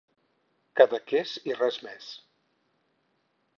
Cadaqués i res més.